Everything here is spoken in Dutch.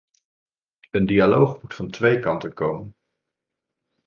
Een dialoog moet van twee kanten komen.